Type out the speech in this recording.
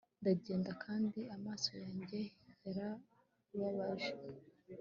ndagenda, kandi amaso yanjye yarababaje